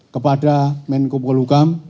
kepada menko polugam